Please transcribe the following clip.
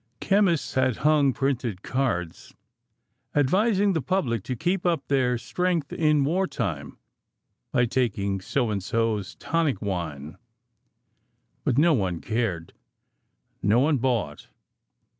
Chemists had hung printed cards, advising the public to "Keep up Their Strength in War Time" by taking So and So s Tonic Wine. But no one cared. No one bought.